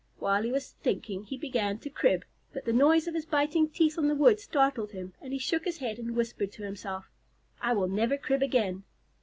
While he was thinking he began to crib, but the noise of his biting teeth on the wood startled him, and he shook his head and whispered to himself, "I will never crib again."